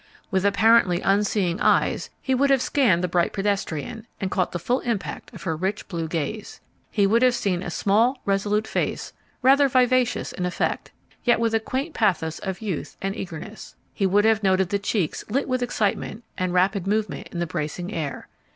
With apparently unseeing eyes he would have scanned the bright pedestrian, and caught the full impact of her rich blue gaze. He would have seen a small resolute face rather vivacious in effect, yet with a quaint pathos of youth and eagerness. He would have noted the cheeks lit with excitement and rapid movement in the bracing air.